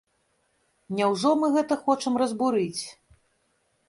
Няўжо мы гэта хочам разбурыць?